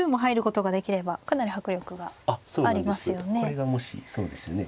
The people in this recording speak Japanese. これがもしそうですね